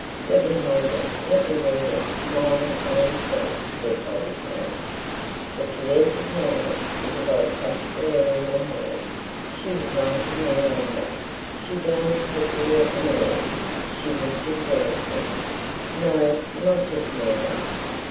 "Let me hold it. Let me read it, mine own self," said Bobby Kane. But, to their surprise, Isabel crushed the letter in her hand. She was laughing no longer. She glanced quickly at them all; she looked exhausted. "No, not just now.